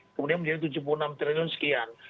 kemudian menjadi tujuh puluh enam triliun sekian